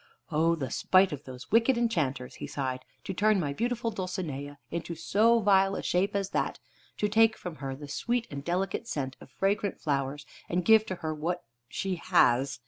"O the spite of those wicked enchanters!" he sighed, "to turn my beautiful Dulcinea into so vile a shape as that: to take from her the sweet and delicate scent of fragrant flowers, and give to her what she has.